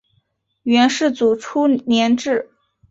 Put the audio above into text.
元世祖初年置。